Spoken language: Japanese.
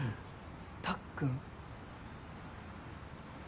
・たっくん？